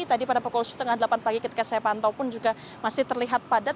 tadi pada pukul setengah delapan pagi ketika saya pantau pun juga masih terlihat padat